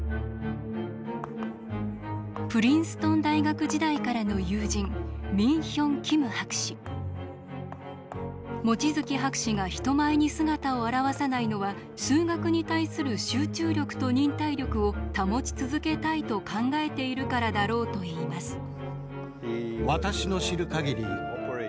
プリンストン大学時代からの友人望月博士が人前に姿を現さないのは数学に対する集中力と忍耐力を保ち続けたいと考えているからだろうといいます。